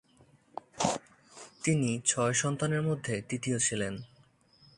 তিনি ছয় সন্তানের মধ্যে তৃতীয় ছিলেন।